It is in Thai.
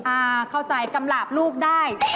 อ่าเข้าใจกำหลาบลูกได้